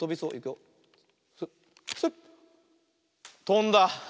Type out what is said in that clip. とんだ。